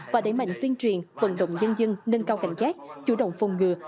và đẩy mạnh tuyên truyền vận động dân dân nâng cao cảnh giác chủ động phong ngừa